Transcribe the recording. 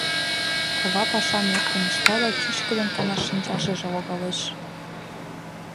Кова пашам эркын ышта да чӱчкыдын канаш шинчашыже логалеш.